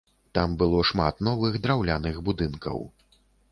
Там было шмат новых драўляных будынкаў.